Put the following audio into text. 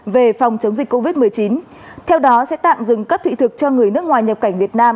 về phòng chống dịch covid một mươi chín theo đó sẽ tạm dừng cấp thị thực cho người nước ngoài nhập cảnh việt nam